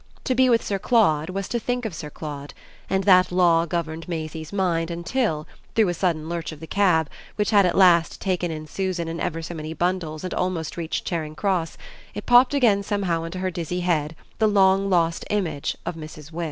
To be with Sir Claude was to think of Sir Claude, and that law governed Maisie's mind until, through a sudden lurch of the cab, which had at last taken in Susan and ever so many bundles and almost reached Charing Cross, it popped again somehow into her dizzy head the long lost image of Mrs. Wix.